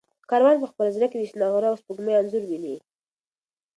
کاروان په خپل زړه کې د شنه غره او سپوږمۍ انځور ویني.